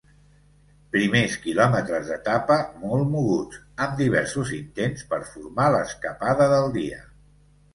Primers quilòmetres d'etapa molt moguts, amb diversos intents per formar l'escapada del dia.